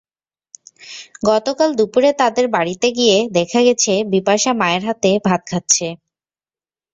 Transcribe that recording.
গতকাল দুপুরে তাদের বাড়িতে গিয়ে দেখা গেছে, বিপাশা মায়ের হাতে ভাত খাচ্ছে।